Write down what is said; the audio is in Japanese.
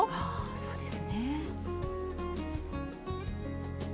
そうですね。